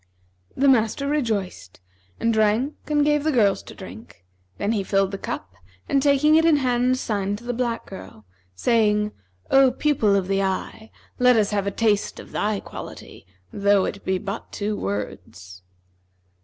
The master rejoiced and drank and gave the girls to drink; then he filled the cup and taking it in hand, signed to the black girl, saying, 'O pupil of the eye, let us have a taste of thy quality, though it be but two words.'